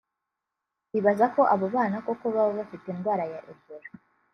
bibaza ko abo bana koko baba bafite indwara ya Ebola